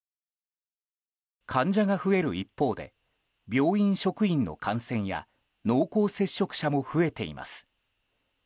患者が増える一方で病院職員の感染や濃厚接触者も増えています。